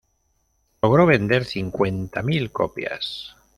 Logró vender cincuenta mil copias.